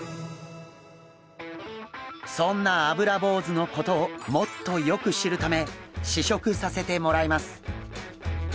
そんなアブラボウズのことをもっとよく知るため試食させてもらいます。